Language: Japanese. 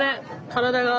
体が。